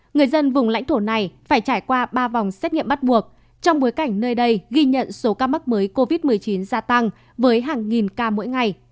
người dân vùng lãnh thổ này phải trải qua ba vòng xét nghiệm bắt buộc trong bối cảnh nơi đây ghi nhận số ca mắc mới covid một mươi chín gia tăng với hàng nghìn ca mỗi ngày